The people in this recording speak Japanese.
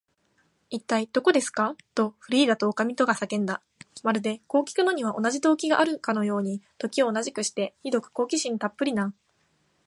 「いったい、どこですか？」と、フリーダとおかみとが叫んだ。まるで、こうきくのには同じ動機があるかのように、時を同じくして、ひどく好奇心たっぷりな